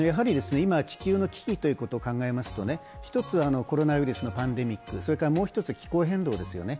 今、地球の危機ということを考えますと、１つはコロナウイルスのパンデミック、それからもう一つ、気候変動ですよね。